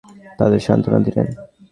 তাঁদের সান্ত্বনা দিলেন।